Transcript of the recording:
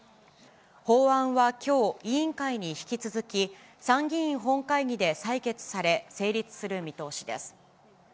法案はきょう、委員会に引き続き、参議院本会議で採決され、成立する見通しです。